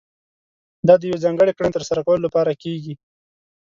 دا د يوې ځانګړې کړنې ترسره کولو لپاره کېږي.